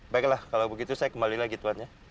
baiklah kalau begitu saya kembali lagi tuan ya